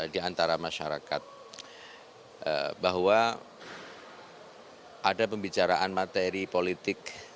di antara masyarakat bahwa ada pembicaraan materi politik